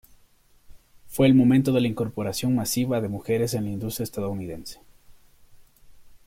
Fue el momento de la incorporación masiva de mujeres en la industria estadounidense.